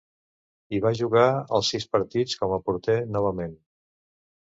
Hi va jugar els sis partits, com a porter novament.